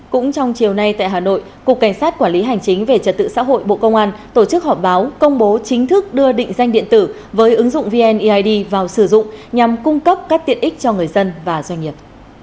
cũng trong chiều nay tại hà nội cục cảnh sát quản lý hành chính về trật tự xã hội bộ công an tổ chức họp báo công bố chính thức đưa định danh điện tử với ứng dụng vneid vào sử dụng nhằm cung cấp các tiện ích cho người dân và doanh nghiệp